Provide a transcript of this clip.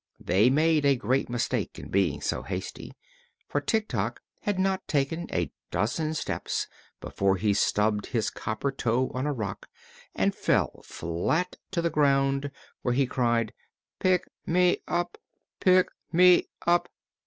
They made a great mistake in being so hasty, for Tik Tok had not taken a dozen steps before he stubbed his copper toe on a rock and fell flat to the ground, where he cried: "Pick me up! Pick me up!